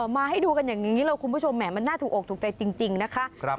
มาให้ดูกันอย่างนี้เลยคุณผู้ชมแหมมันน่าถูกอกถูกใจจริงนะคะ